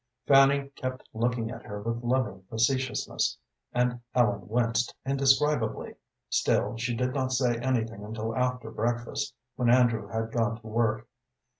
Fanny kept looking at her with loving facetiousness, and Ellen winced indescribably; still, she did not say anything until after breakfast, when Andrew had gone to work.